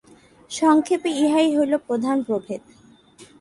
সংক্ষেপে ইহাই হইল প্রধান প্রভেদ।